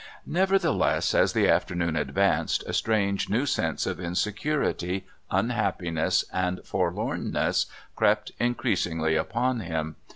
Nevertheless, as the afternoon advanced a strange new sense of insecurity, unhappiness and forlornness crept increasingly upon him.